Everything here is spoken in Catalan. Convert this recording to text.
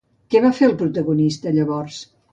Què va fer el protagonista llavors?